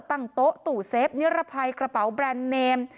ตั้งโต๊ะตู่เซฟนิรภัยกระเป๋าแบรนด์เนม